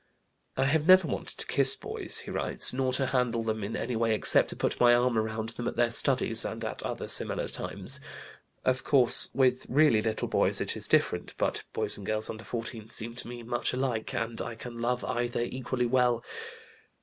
"I have never wanted to kiss boys," he writes, "nor to handle them in any way except to put my arm around them at their studies and at other similar times. Of course, with really little boys, it is different, but boys and girls under 14 seem to me much alike, and I can love either equally well.